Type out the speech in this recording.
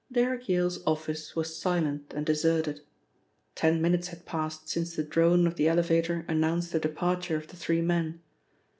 Derrick Yale's office was silent and deserted. Ten minutes had passed since the drone of the elevator announced the departure of the three men.